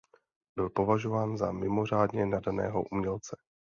Byl považován za mimořádně nadaného umělce.